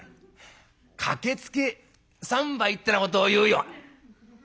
『駆けつけ三杯』ってなことを言うよ」。